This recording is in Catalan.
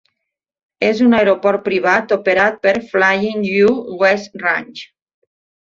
És un aeroport privat operat pel Flying U Guest Ranch.